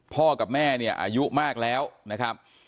กับแม่เนี่ยอายุมากแล้วนะครับ